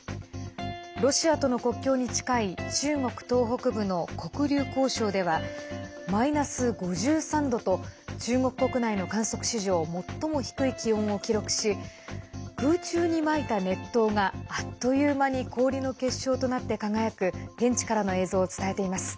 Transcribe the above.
ロシアとの国境に近い中国東北部の黒竜江省ではマイナス５３度と中国国内の観測史上最も低い気温を記録し空中にまいた熱湯があっという間に氷の結晶となって輝く現地からの映像を伝えています。